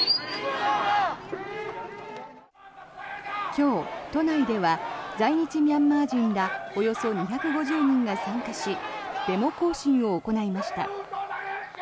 今日、都内では在日ミャンマー人らおよそ２５０人が参加しデモ行進を行いました。